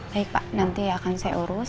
baik pak nanti akan saya urus